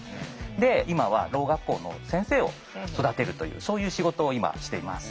で今はろう学校の先生を育てるというそういう仕事を今しています。